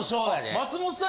松本さん